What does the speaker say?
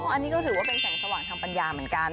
อันนี้ก็ถือว่าเป็นแสงสว่างทางปัญญาเหมือนกัน